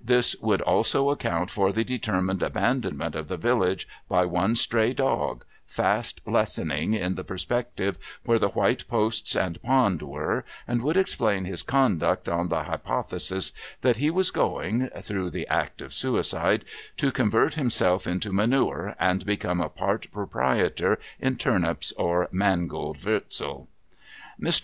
This would also account for the determined abandonment of the village by one stray dog, fast lessening in the perspective where the white posts and the pond were, and would explain his conduct on the hypo thesis that he was going (through the act of suicide) to convert himself into manure, and become a part proprietor in turnips or mangold wurzel. Mr.